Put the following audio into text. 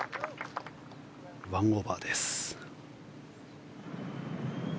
１オーバーです。